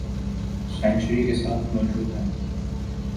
century کے ساتھ موجود ہیں